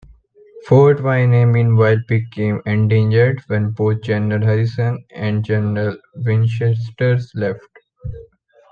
Fort Wayne, meanwhile, became endangered when both General Harrison and General Winchester left.